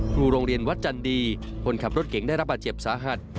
ครูโรงเรียนวัดจันดีคนขับรถเก่งได้รับบาดเจ็บสาหัส